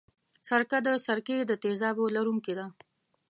سرکه د سرکې د تیزابو لرونکې ده.